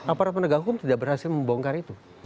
aparat penegak hukum tidak berhasil membongkar itu